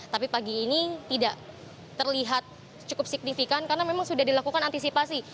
tapi pagi ini tidak terlihat cukup signifikan karena memang sudah dilakukan antisipasi